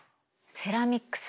セラミックス。